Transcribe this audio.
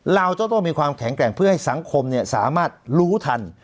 เราจะต้องมีความแข็งแกร่งเพื่อให้สังคมสามารถรู้ทัน